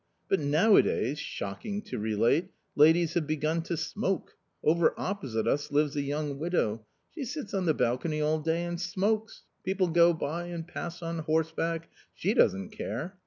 But nowadays, shocking to relate, ladies have begun to smoke : over opposite us lives a young widow ; she sits on the balcony all day and smokes ; people go by, and pass on horseback — she doesn't care